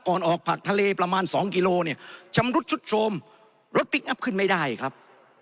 ก่อนออกผ่านทะเลประมาณ๒กิโลชำรุดชุดโชมรถปิ๊กอัพขึ้นไม่ได้ครับ